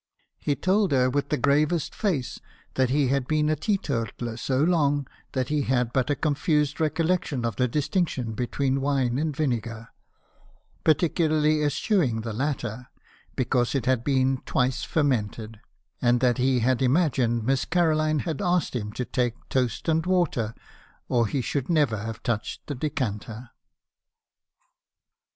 He told her with the gravest face that he had been a teetotaller so long that he had but a confused recollec tion of the distinction between wine and vinegar, particularly eschewing the latter, because it had been twice fermented; and that he had imagined Miss Caroline had asked him to take toast and water, or he should never have touched the decanter.